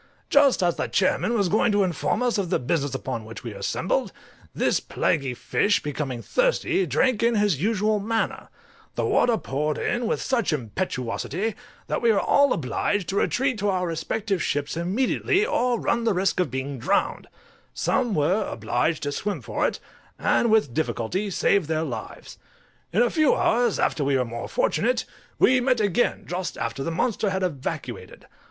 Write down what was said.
Just as the chairman was going to inform us of the business upon which we were assembled, this plaguy fish, becoming thirsty, drank in his usual manner; the water poured in with such impetuosity, that we were all obliged to retreat to our respective ships immediately, or run the risk of being drowned; some were obliged to swim for it, and with difficulty saved their lives. In a few hours after we were more fortunate, we met again just after the monster had evacuated.